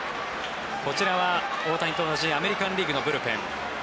こちらは大谷と同じアメリカン・リーグのブルペン。